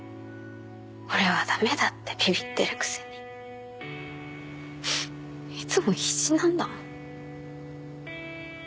俺は駄目だってビビってるくせにいつも必死なんだもん。